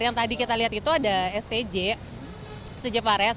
yang tadi kita lihat itu ada stj stj pares